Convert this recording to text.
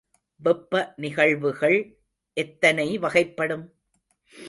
வெப்ப நிகழ்வுகள் எத்தனை வகைப்படும்?